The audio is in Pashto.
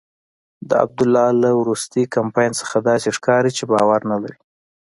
د عبدالله له وروستي کمپاین څخه داسې ښکاري چې باور نلري.